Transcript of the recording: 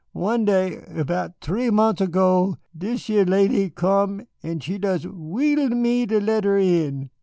One day erbout three mont's ergo, dis yer lady come en she des wheedled me ter let her in.